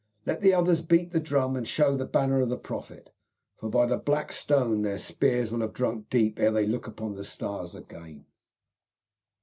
Let the others beat the drum and show the banner of the Prophet, for by the black stone their spears will have drunk deep ere they look upon the stars again."